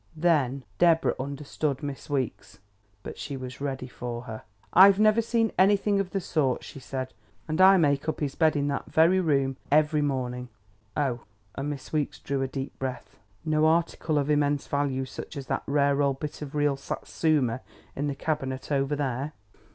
Then, Deborah understood Miss Weeks. But she was ready for her. "I've never seen anything of the sort," said she, "and I make up his bed in that very room every morning." "Oh!" And Miss Weeks drew a deep breath. "No article of immense value such as that rare old bit of real Satsuma in the cabinet over there?"